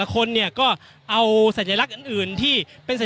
อย่างที่บอกไปว่าเรายังยึดในเรื่องของข้อ